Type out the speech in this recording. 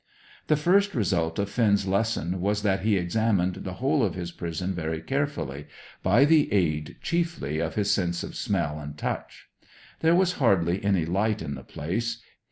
The first result of Finn's lesson was that he examined the whole of his prison very carefully, by the aid chiefly of his sense of smell and touch. There was hardly any light in the place.